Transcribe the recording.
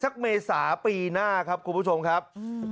เมษาปีหน้าครับคุณผู้ชมครับ